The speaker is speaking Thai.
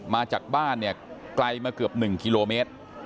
มาจากบ้านเนี่ยไกลมาเกือบ๑กิโลเมตร